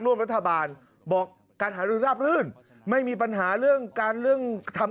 ร่วมรัฐบาลบอกการหารือราบรื่นไม่มีปัญหาเรื่องการเรื่องทำ